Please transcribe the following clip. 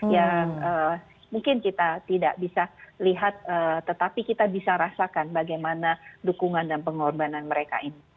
yang mungkin kita tidak bisa lihat tetapi kita bisa rasakan bagaimana dukungan dan pengorbanan mereka ini